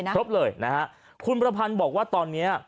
ครบเลยนะฮะคุณประพันธ์บอกว่าตอนนี้